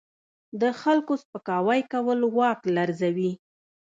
د خلکو سپکاوی کول واک لرزوي.